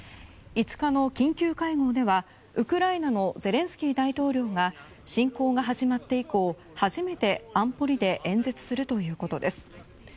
５日の緊急会合ではウクライナのゼレンスキー大統領が侵攻が始まって以降、初めて安保理で演説するということです。